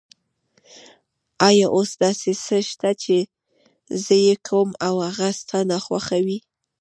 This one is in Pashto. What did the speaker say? آیا اوس داسې څه شته چې زه یې کوم او هغه ستا ناخوښه وي؟